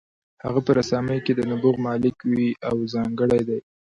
هغه په رسامۍ کې د نبوغ مالک وي او ځانګړی دی.